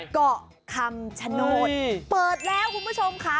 เกาะคำชโนธเปิดแล้วคุณผู้ชมค่ะ